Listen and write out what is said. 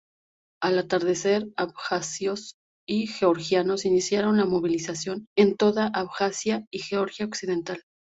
Al atardecer, abjasios y georgianos iniciaron la movilización en toda Abjasia y Georgia occidental.